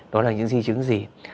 đó là những di chứng gì